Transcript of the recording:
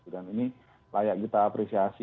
dan ini layak kita apresiasi